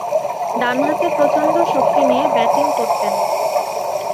ডানহাতে প্রচণ্ড শক্তি নিয়ে ব্যাটিং করতেন।